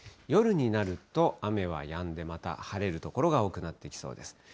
夜になると、雨はやんで、また晴れる所が多くなってきそうです。